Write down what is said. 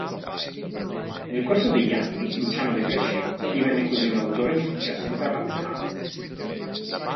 Nel corso degli anni Luciano De Crescenzo divenne così un autore di successo internazionale.